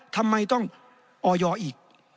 ทำไมต้องออยอีก